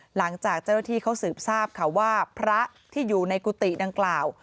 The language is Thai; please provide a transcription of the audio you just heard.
หลังจากเจ้าหน้าที่เขาสืบทราบค่ะว่าพระที่อยู่ในกุฏิดังกล่าว